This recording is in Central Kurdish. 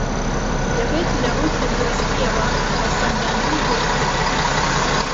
دهبێت لهڕووی تهندروستییهوه ههڵسهنگاندنی بۆ بکرێت